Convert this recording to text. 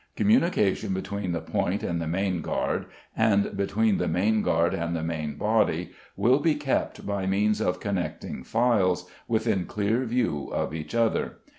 Communication between the point and the main guard, and between the main guard and the main body, will be kept by means of connecting files, within clear view of each other.